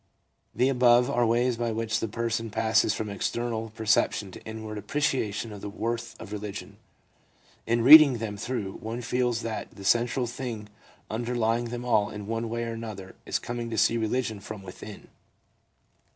The above are ways by which the person passes from external perception to inward appreciation of the worth of religion. In reading them through, one feels that the central thing underlying them all in one way or another is coming to see religion from within.